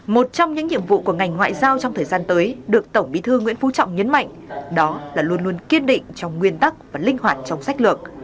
một trong những nhiệm vụ của ngành ngoại giao trong thời gian tới được tổng bí thư nguyễn phú trọng nhấn mạnh đó là luôn luôn kiên định trong nguyên tắc và linh hoạt trong sách lược